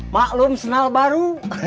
maklum senal baru